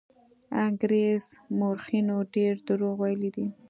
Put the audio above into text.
انګرېز مورخینو ډېر دروغ ویلي دي.